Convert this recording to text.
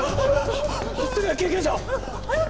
すぐ救急車を早く！